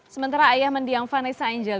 sementara ayah mendiang vanessa angel